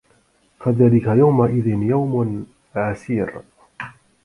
فَذلِكَ يَومَئِذٍ يَومٌ عَسيرٌ